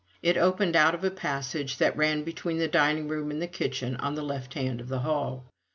It opened out of a passage that ran between the dining room and the kitchen, on the left hand of the hall.